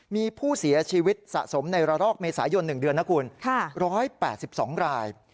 มีผู้เสียชีวิตสะสมในระลอกเมษายน๑เดือนนะคุณ๑๘๒ราย